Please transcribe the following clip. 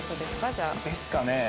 じゃあ。ですかね。